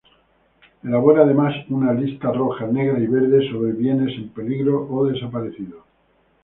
Elabora además una "Lista Roja", "Negra" y "Verde" sobre bienes en peligro o desaparecidos.